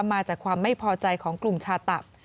มาจากความไม่พอใจของกลุ่มชาตับ